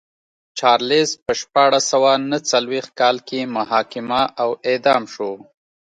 چارلېز په شپاړس سوه نه څلوېښت کال کې محاکمه او اعدام شو.